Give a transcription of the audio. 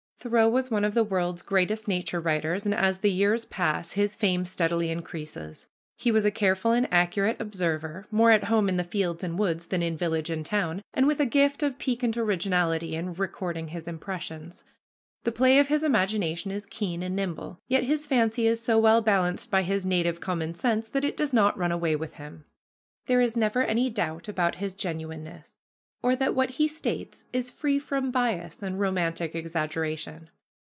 Thoreau was one of the world's greatest nature writers, and as the years pass, his fame steadily increases. He was a careful and accurate observer, more at home in the fields and woods than in village and town, and with a gift of piquant originality in recording his impressions. The play of his imagination is keen and nimble, yet his fancy is so well balanced by his native common sense that it does not run away with him. There is never any doubt about his genuineness, or that what he states is free from bias and romantic exaggeration.